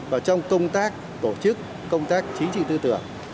và trong công tác tổ chức công tác chính trị tư tưởng